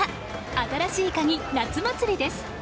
新しいカギ夏祭りです。